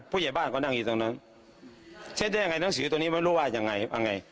ผู้ใหญ่บ้านก็นั่งอยู่ตรงนั้นเช็ดได้ยังไงหนังสือตัวนี้ไม่รู้ว่ายังไงอะไร